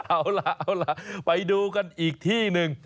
เอาล่ะไปดูกันอีกที่นึง